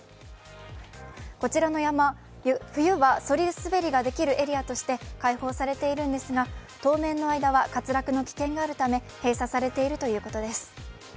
こちらの山、冬はそり滑りができるエリアとして開放されているんですが、当面の間は滑落の危険があるため閉鎖されているということです。